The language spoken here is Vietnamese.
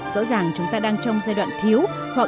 rõ ràng chúng ta đang trong giai đoạn thiếu